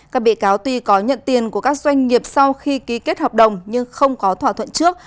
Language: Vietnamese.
các bị cáo tuy có nhận tiền của các doanh nghiệp sau khi ký kết hợp đồng nhưng không có thỏa thuận trước